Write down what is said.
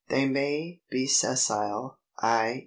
They may be sessile, i.